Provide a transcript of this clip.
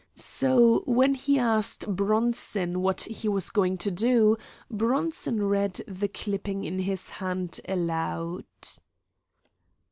So when he asked Bronson what he was going to do, Bronson read the clipping in his hand aloud.